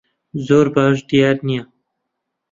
زۆر باش دیار نییە.